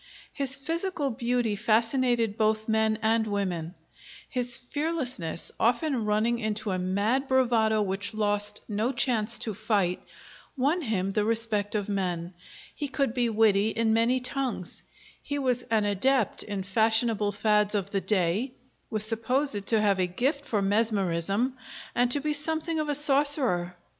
His physical beauty fascinated both men and women; his fearlessness, often running into a mad bravado which lost no chance to fight, won him the respect of men. He could be witty in many tongues; he was an adept in fashionable fads of the day; was supposed to have a gift for mesmerism, and to be something of a sorcerer.